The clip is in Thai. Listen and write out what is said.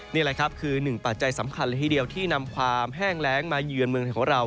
นี่แหละครับคือหนึ่งปัจจัยสำคัญเลยทีเดียวที่นำความแห้งแรงมาเยือนเมืองไทยของเรา